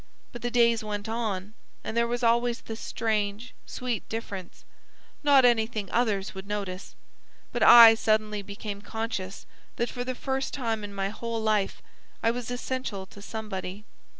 But the days went on, and there was always this strange sweet difference; not anything others would notice; but I suddenly became conscious that, for the first time in my whole life, I was essential to somebody.